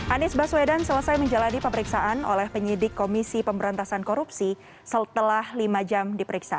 anies baswedan selesai menjalani pemeriksaan oleh penyidik komisi pemberantasan korupsi setelah lima jam diperiksa